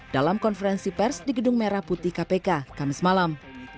dalam konferensi pers di gedung merah putih kpk kamis malam